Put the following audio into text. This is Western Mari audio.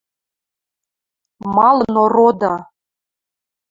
– Малын ороды!..